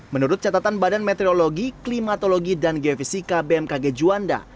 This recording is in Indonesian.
menurut catatan badan meteorologi klimatologi dan geofisika bmkg juanda